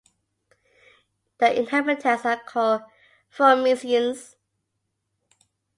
The inhabitants are called "Fourmisiens".